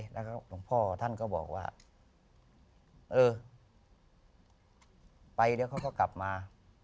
แล้วก็หลวงพ่อท่านก็บอกว่าเออไปเดี๋ยวเขาก็กลับมา